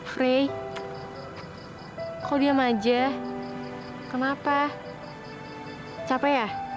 frey kok diam aja kenapa capek ya